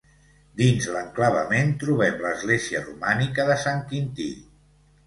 Dins l'enclavament trobem l'església romànica de Sant Quintí.